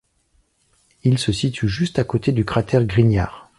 Il se situe juste à côté du cratère Grignard.